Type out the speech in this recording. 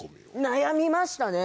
悩みましたね。